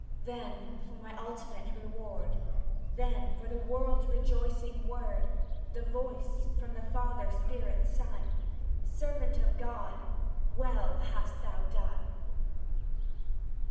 Then for my ultimate reward Then for the world rejoicing word The voice from Father Spirit Son: "Servant of God, well hast thou done!"